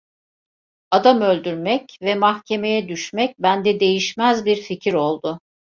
Adam öldürmek ve mahkemeye düşmek bende değişmez bir fikir oldu.